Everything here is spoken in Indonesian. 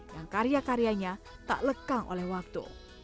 yang karya karyanya tak lekang oleh waktu